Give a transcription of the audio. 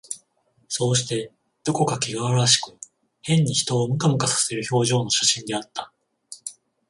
そうして、どこかけがらわしく、変に人をムカムカさせる表情の写真であった